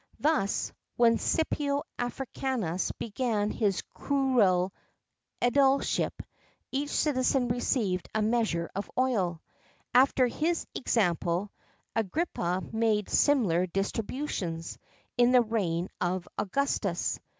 Thus, when Scipio Africanus began his curule edileship, each citizen received a measure of oil.[XII 35] After his example, Agrippa made similar distributions, in the reign of Augustus.